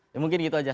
ya mungkin gitu aja